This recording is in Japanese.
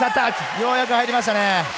ようやく入りましたね。